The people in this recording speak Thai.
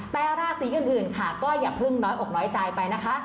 แต่ราศีอื่นค่ะก็อย่าเพิ่งน้อยอกน้อยใจไปนะคะ